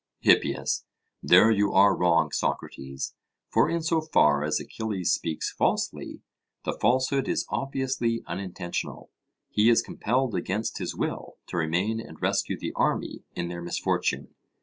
HIPPIAS: There you are wrong, Socrates; for in so far as Achilles speaks falsely, the falsehood is obviously unintentional. He is compelled against his will to remain and rescue the army in their misfortune.